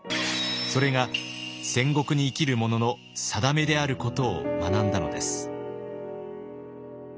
それが戦国に生きる者の定めであることを学んだのです。